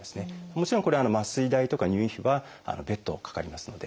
もちろんこれ麻酔代とか入院費は別途かかりますので。